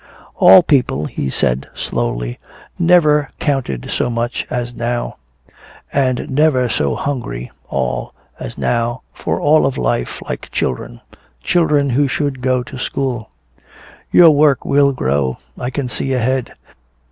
"All people," he said slowly, "never counted so much as now. And never so hungry all as now for all of life like children children who should go to school. Your work will grow I can see ahead.